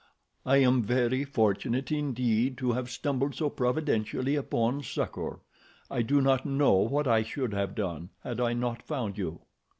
I am very fortunate indeed to have stumbled so providentially upon succor. I do not know what I should have done, had I not found you."